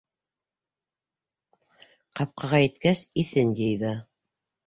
Ҡапҡаға еткәс, иҫен йыйҙы: